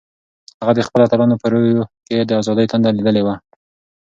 هغه د خپلو اتلانو په روح کې د ازادۍ تنده لیدلې وه.